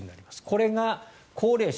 これが高齢者。